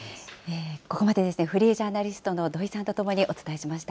ここまでフリージャーナリストの土井さんと共にお伝えしました。